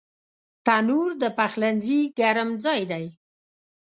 تنور د پخلنځي ګرم ځای دی